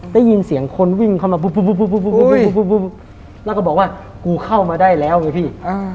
แล้วก็บอกว่ากูเข้ามาได้แล้วไหมพี่